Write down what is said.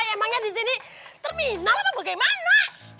emangnya di sini terminal apa bagaimana